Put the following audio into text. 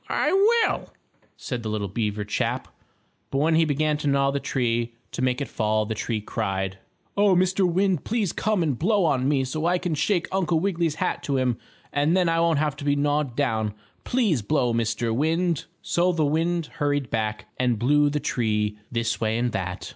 "I will," said the little beaver chap. But when he began to gnaw the tree, to make it fall, the tree cried: "Oh, Mr. Wind, please come and blow on me so I can shake Uncle Wiggily's hat to him, and then I won't have to be gnawed down. Please blow, Mr. Wind." So the wind hurried back and blew the tree this way and that.